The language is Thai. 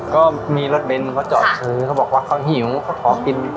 ก็มีรถเบนท์เขาจอดซื้อเขาบอกว่าเขาหิวเขาขอกิน